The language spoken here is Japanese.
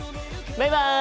バイバイ。